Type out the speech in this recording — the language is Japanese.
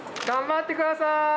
頑張ってください！